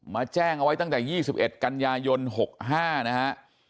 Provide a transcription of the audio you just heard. แจ้งเอาไว้ตั้งแต่๒๑กันยายน๖๕นะฮะ